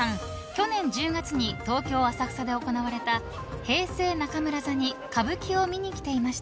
［去年１０月に東京浅草で行われた平成中村座に歌舞伎を見に来ていました］